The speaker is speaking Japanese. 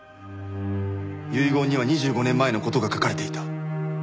遺言には２５年前の事が書かれていた。